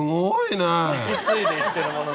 引き継いでいってるもの